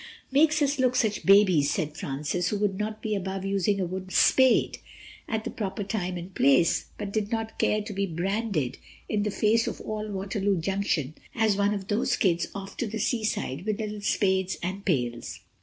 "Makes us look such babies," said Francis, who would not be above using a wooden spade at the proper time and place but did not care to be branded in the face of all Waterloo Junction as one of those kids off to the seaside with little spades and pails.